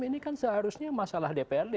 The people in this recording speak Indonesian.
ini kan seharusnya masalah dprd